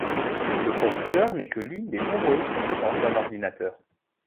Mais le processeur n’est que l’une des nombreuses composantes d’un ordinateur.